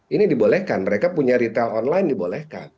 ini dibolehkan mereka punya retail online dibolehkan